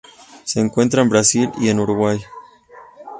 Se encuentra en Brasil y en Uruguay.